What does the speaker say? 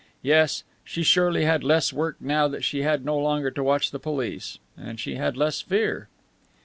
Yes, she surely had less work now that she had no longer to watch the police. And she had less fear!